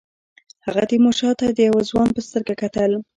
هغه تیمورشاه ته د یوه ځوان په سترګه کتل.